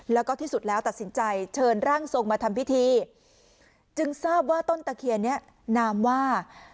แล้วก็ที่สุดแล้วตัดสินใจเชิญร่างทรงมาทำพิธีจึงทราบว่าต้นตะเคียนนี้นามว่า